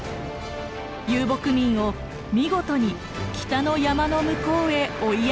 遊牧民を見事に北の山の向こうへ追いやりました。